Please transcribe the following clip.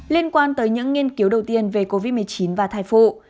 liên quan tới những nghiên cứu đầu tiên về covid một mươi chín và thai phụ